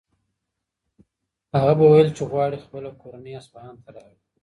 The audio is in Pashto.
هغه به ویل چې غواړي خپله کورنۍ اصفهان ته راولي.